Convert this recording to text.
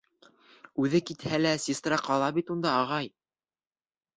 Үҙе китһә лә, сестра ҡала бит унда, ағай.